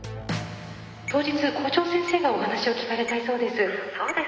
当日校長先生がお話を聞かれたいそうです。